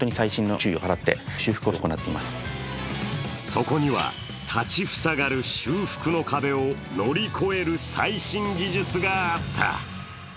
そこには、立ち塞がる修復の壁を乗り越える最新技術があった。